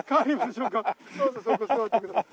どうぞそこ座ってください。